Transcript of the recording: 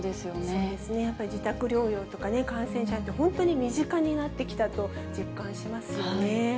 そうですね、やっぱり、自宅療養とか感染者、本当に身近になってきたと実感しますよね。